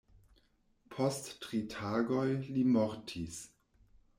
Post tri tagoj li mortis.